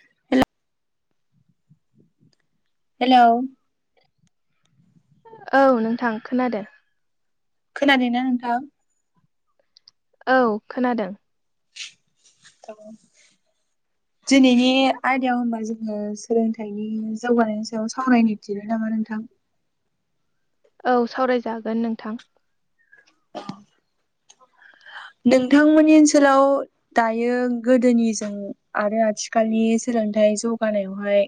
[unintelligible] Hello औ नोंथां खोनादों खोनादोंना नोंथां? औ खोनादों। [inaudible] दिनैनि आयदायाव होमबा जोङो सोलोंथाइनि जौगानायनि सायाव सावरायनो थिरो नामा नोंथां औ सावरायजागोन नोंथां। नोंथांमोननि ओनसोलाव दायो गोदोनिजों आरो आथिखालनि सोलोंथाइ जौगानायावहाय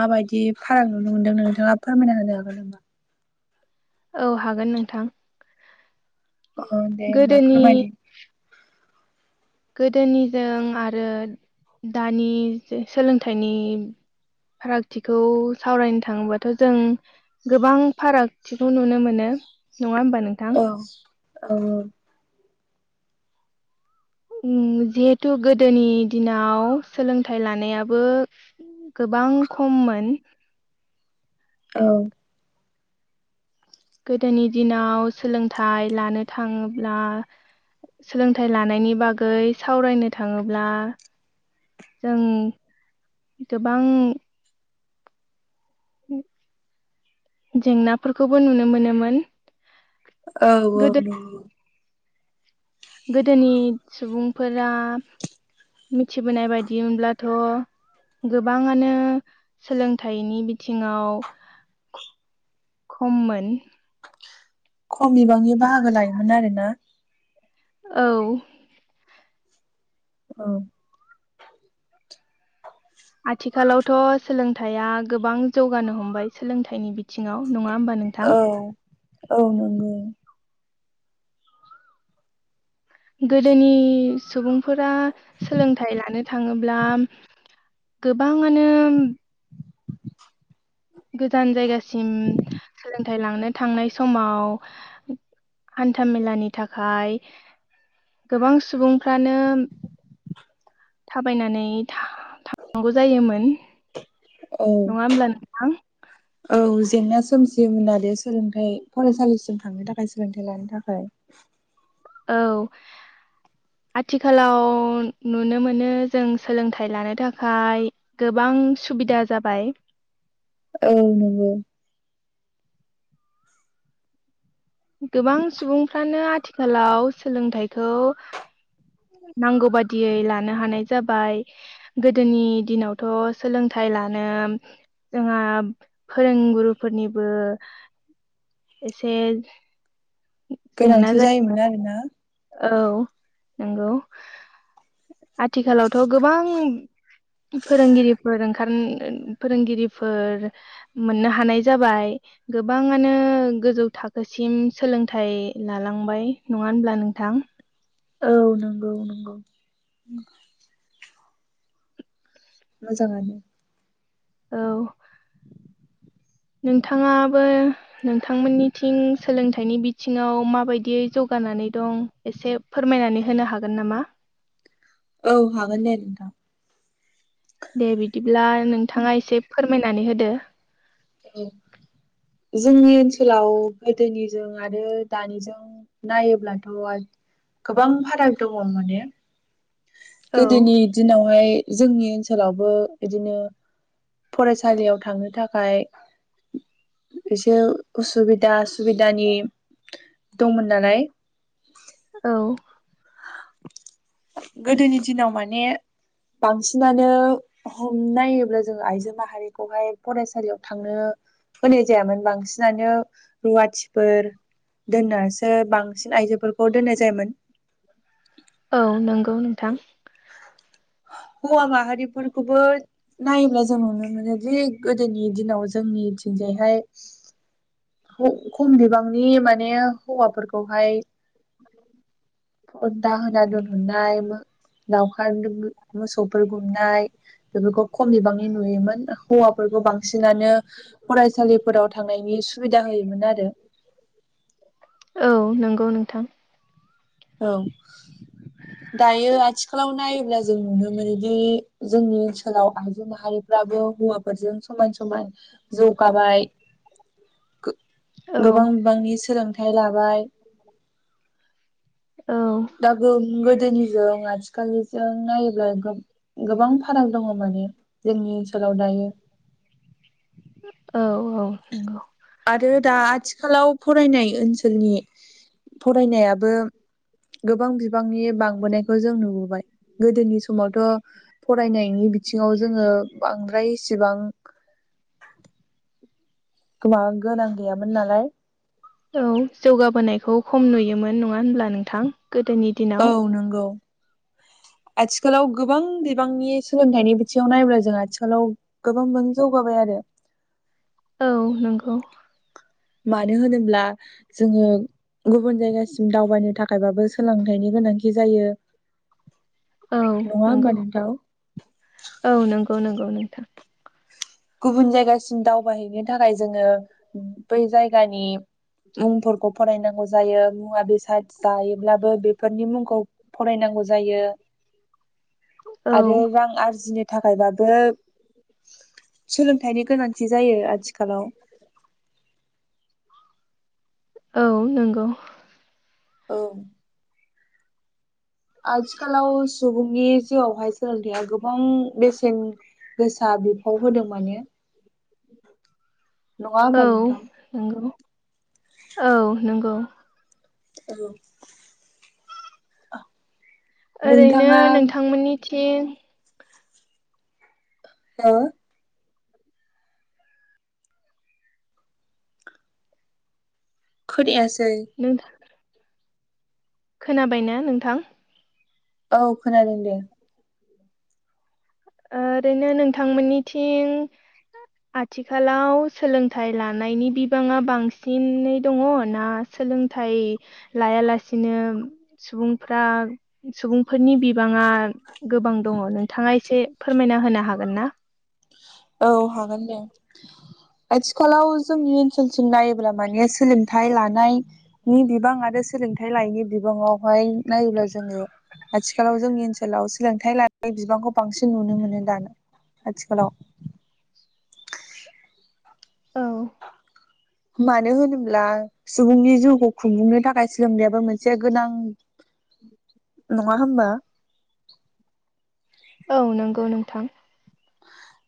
माबायदि फाराग नुनो मोनदों नोंथाङा फोरमायना होनो हागोन नामा? औ हागोन नोंथां। अ दे होमबा गोदोनि फोरमायनि गोदोनिजों आरो दानि सोलोंथाइनि फारागथिखौ सावरायनो थाङोबाथ' जों गोबां फारागथिखौ नुनो मोनो। नङा होमबा नोंथां? औ औ उम जिहेथु गोदोनि दिनाव सोलोंथाइ लानायाबो गोबां खममोन औ गोदोनि दिनाव सोलोंथाइ लानो थाङोब्ला सोलोंथाइ लानायनि बागै सावरायनो थाङोब्ला जों गोबां [inaudible] जेंनाफोरखौबो नुनो मोनोमोन औ औ गोदो गोदोनि सुबुंफोरा मिथिबोनाय बायदिमोनब्लाथ' गोबाङानो सोलोंथाइनि बिथिङाव खममोन खम बिबांनि बाहागो लायोमोन आरो [unintelligible] औ औ आथिखालावथ' सोलोंथाइया गोबां जौगानो हमबाय सोलोंथाइनि बिथिङाव नङा होमबा नोंथां? औ औ नंगौ गोदोनि सुबुं फोरा सोलोंथाइ लानो थाङोब्ला गोबाङानो गोजान जायगासिम सोलोंथाइ लांनो थांनाय समाव हान्था मेलानि थाखाय गोबां सुबुंफ्रानो थाबायनानै थांनांगौ जायोमोन औ नङा होमब्ला नोंथां? औ जेंना सोमजियोमोन आरो सोलोंथायाइ फरायसालिसिम थांनो थाखाय सोलोंथायाइ लानो थाखाय औ आथिखालाव नुनो मोनो जों सोलोंथाइ लानो थाखाय गोबां सुबिदा जाबाय औ नंगौ गोबां सुबुंफ्रानो आथिखालाव सोलोंथाइखौ नांगौ बादियै लानो हानाय जाबाय गोदोनि दिनावथ' सोलोंथाइ लानो जोंहा फोरोंगुरुफोरनिबो एसे जेंना गोनांथि जायोमोन आरोना। औ नंगौ। आथिखालावथ' गोबां फोरोंगिरिफोर ओंखार फोरोंगिरिफोर मोननो हानाय जाबाय गोबाङानो गोजौ थाखोसिम सोलोंथाइ लालांबाय नङा होनब्ला नों थां। औ नंगौ नंगौ। मोजाङानो। औ नोंथाङाबो नोंथांमोननिथिं सोलोंथाइनि बिथिङाव माबायदियै जौगानानै दं एसे फोरमायनानै होनो हागोन नामा? औ हागोन दे नोंथां। दे बिदिब्ला नोंथाङा एसे फोरमाय मायनानै होदो। औ जोंनि ओनसोलाव गोदोनिजों आरो दानिजों नायोब्लाथ' गोबां फाराग दङ माने औ गोदोनि दिनावहाय जोंनि ओनसोलावबो बिदिनो फरायसालियाव थांनो थाखाय एसे उसुबिदा सुबिदानि दंमोन नालाय औ गोदोनि दिनाव माने बांसिनानो हमनायोब्ला जों आइजो माहारिखौहाय फरायसा याव थांनो होनाय जायामोन बांसिनानो रुवाथिफोर दोननो सो बांसिन आइजोफोरखौ दोननाय जायोमोन। औ नंगौ नोंथां। हौवा माहारिफोरखौबो नायोब्ला जों नुनो मोनो जि गोदोनि दिनाव जोंनिथिंजायहाय खम बिबांनि माने हौवाफोरखौहाय उ दाहोना दोनहरनाय मोन लावखार मोसौफोर गुमनाय बेफोरखौ खम बिबांनि नुयोमोन हौवाफोरखौ बांसिनानो फरायसालिफोराव थांनायनि सुबिदा होयोमोन आरो। गौ नोंथां। औ दायो आथिखालाव नायोब्ला जों नुनो मोनोदि जोंनि ओनसोलाव आइजो माहारिफ्राबो हौवाफोरजों समान समान जौगाबाय। औ गोबां बिबांनि सोलों फाइ लाबाय। औ दा गोन गोदोनिजों आथिखालजों नायोब्ला गोबां फाराग दङ माने जोंनि ओनसोलाव दायो। औ नंगौ आरो दा आथिखालाव फरायनाय ओनसोलनि फरायनायाबो गोबां बिबांनि बांबोनायखौ जों नुबोबाय। गोदोनि समावथ' फरायनायनि बिथिङाव जोङो बांद्राय इसिबां गोबां गोनां गैयामोन नालाय। औ जौगाबोनायखौ खम नुयोमोन नङा होनब्ला नोंथां? गोदोनि औ दिनाव नंगौ आथिखालाव गोबां बिबांनि सोलोंथाइनि बिथिङाव नायब्ला जों आथिखालाव गोबांबो जौगाबाय आरो। औ नंगौ मानो होनोब्ला जोङो गुबुन जायगासिम दावबायनो थाखायबाबो सोलोंथाइनि गोनांथि जायो। औ नङा होमबा नंगौ नोंथां औ नंगौ। गौ नोंगौ नोंथां गुबुन जायगासिम दावबायहैनो थाखाय जोङो बै जायगानि मुंफोरखौ फरायनांगौ जायो मुवा बेसाद जायोब्लाबो बेफोरनि मुंखौ फरायनांगौ जायो। औ आरो रां आरजिनो थाखायबा बो सोलोंथाइनि गोनांथि थि जायो आथिखालाव। औ नंगौ औ आथिखालाव सुबुंनि जिउआवहाय सोलोंथायाइया गोबां बेसेन गोसा बिफाव होदों माने। नङा होमबा औ नोंथां? नंगौ औ नंगौ औ ओरैनो नोंथाङा नोंथांमोननि थिं हो खोनायास नोंथां खोनाबायना नोंथां? औ खोनादों दे ओरैनो नोंथांमोननिथिं आथिखालाव सोलोंथाइ लानायनि बिबाङा बांसिनै दङ ना सोलोंथाइ लायालासिनो सुबुंफ्रा सुबुंफोरनि बिबाङा गोबां दङ नोंथाङा एसे। फोरमायना होनो हागोन ना? औ हागोन दे आथिखालाव जोंनि ओनसोलसिम नायोब्ला माने सोलोंथाइ लानायनि बिबां आरो सोलोंथाइ लायैनि बिबाङावहाय नायोब्ला जोङो आथिखालाव जोंनि ओनसोलाव। सोलोंथाइ लानाय बिबांखौ बांसिन नुनो मोनो दाना। आथिखालाव औ मानो होनोब्ला सुबुंनि जिउखौ खुंफुंनो थाखाय सोलोंनायाबो मोनसे गोनां नङा होमबा? औ नंगौ नोंथां।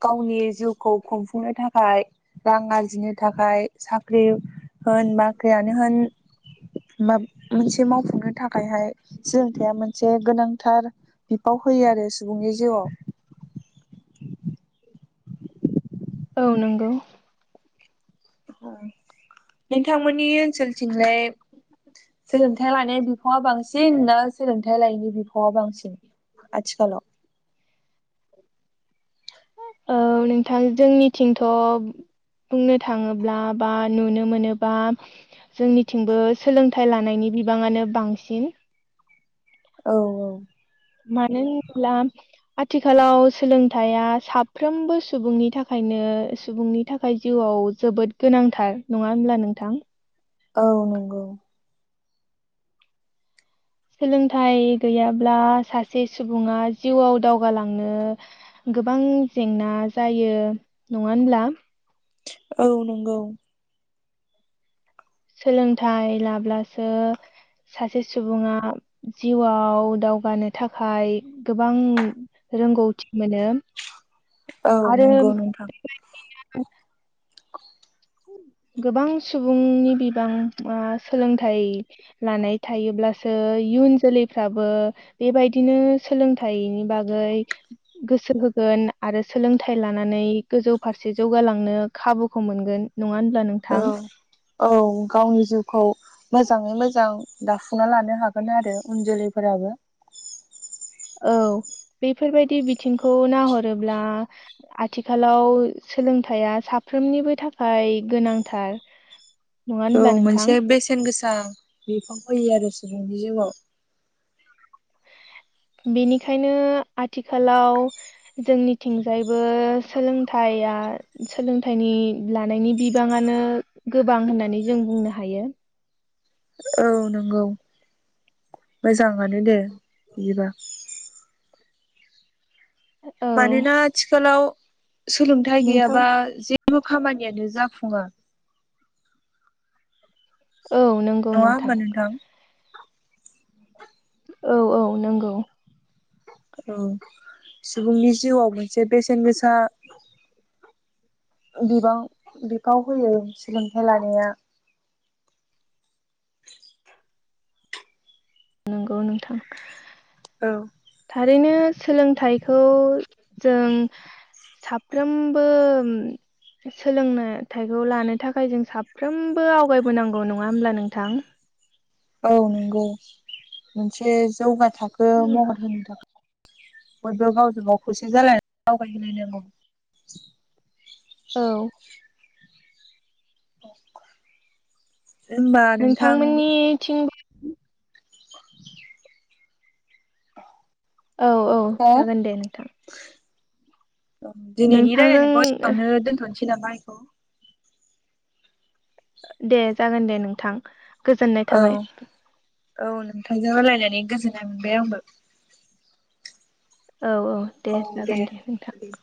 गावनि जिउखौ खुंफुंनो थाखाय रां आरजिनो थाखाय साख्रि होन बाख्रियानो होन मा। मोनसे मावफुंनो थाखायहाय सोलोंथाइया मोनसे गोनां। थार बिफाव होयो आरो सुबुंनि जिउआव। औ नंगौ ओं नोंथांमोननि ओनसोलथिंलाय सोलोंथाइ लानाय बिफावा बांसिन ना सोलोंथाइ लायैनि बिफावा बांसिन? आथिखालाव [inaudible] औ नोंथां जोंनिथिंथ' बुंनो थाङोब्ला बा नुनो मोनोबा जोंनिथिंबो सोलोंथाइ लानायनि बिबाङानो बांसिन औ औ मानो होनब्ला आथिखालाव सोलोंथायाइया साफ्रोमबो सुबुंनि थाखायनो सुबुंनि थाखाय जिउआव जोबोद गोनांथार नङा होनब्ला नोंथां? औ नंगौ। सोलोंथाइ गैयाब्ला सासे सुबुङा जिउआव दावगालांनो गोबां जेंना जायो नङा होनब्ला? औ नंगौ सोलोंथाइ लाब्लासो सासे सुबुङा जिउआव दावगानो थाखाय गोबां रोंगौथि मोनो। औ आरो नंगौ नोंथां। [inaudible] गोबां सुबुंनि बिबाङा सोलोंथाइ लानाय थायोब्लासो इयुन जोलैफ्राबो बेबायदिनो सोलोंथाइनि बागै गोसो होगोन आरो सोलोंथाइ लानानै गोजौ फारसे जौगालांनो खाबुखौ मोनगोन। नङा होनब्ला नोंथां औ औ गावनि जिउखौ मोजाङै मोजां दाफुंना लानो हागोन आरो उन जोलैफोराबो औ बेफोरबायदि बिथिंखौ नाहरोब्ला आथिखालाव सोलोंथायाइया साफ्रोमनिबो थाखाय गोनांथार। नङा औ होनब्ला नोंथां मोनसे बेसेन गोसा बिफां फयो आरो सुबुंनि जिउआव बेनिखायनो आथिखालाव जोंनिथिंजायबो सोलोंथाइया सोलोंथाइनि लानायनि बिबाङानो गोबां होननानै जों बुंनो हायो। औ नंगौ मोजाङानो दे बिदिबा औ मानोना आथिखालाव सोलोंथाइ नोंथां गैयाबा जे खामानियानो जाफुङा। औ नंगौ नङा होनबा नोंथां? औ औ नंगौ औ सुबुंनि जिउआव मोनसे बेसेन गोसा बिबां बिफाव होयो सोलोंथायाइ लानाया। [inaudible] नोंगौ नोंथां। औ थारैनो सोलोंथाइखौ जों साफ्रोमबो सोलोंनोथाइखौ लानो थाखाय जों साफ्रोमबो आवगायबोनांगौ नङा होमब्ला नोंथां? औ नंगौ मोनसे जौगा थाखो महद होनो थाखाय । बयबो गावजों गाव खौसे जालायनानै आवगायलायनांगौ । औ औ [inaudible] नोंथां मोननिथिंबो औ औ हो जागोन दे नोंथां। दिनैनि रायलायनायखौ नोंथांजों एसेआवनो दोनथ'नोसै। [unintelligible] दे जागोन दे नोंथां। गोजोननाय औ थाबाय। औ नोंथांजों रायालायनानै गोजोननाय मोनबाय आंबो । औ औ दे जागोन दे नोंथां दे ‌।